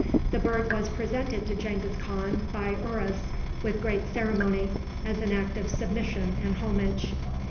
The bird was presented to Genghis Khan by Urus with great ceremony, as an act of submission and homage.